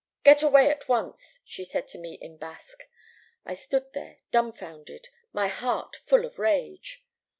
"'Get away at once,' she said to me in Basque. I stood there, dumfounded, my heart full of rage.